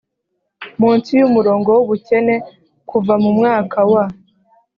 munsi y umurongo w ubukene kuva mu mwaka wa